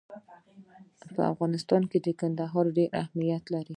په افغانستان کې کندهار ډېر اهمیت لري.